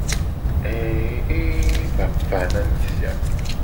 Eeeeee baba na mi si a.